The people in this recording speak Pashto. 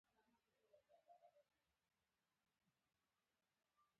تر هغوی وروسته همدا لړۍ روانه وه.